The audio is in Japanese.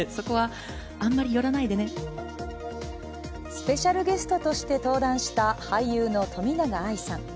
スペシャルゲストとして登壇した俳優の冨永愛さん。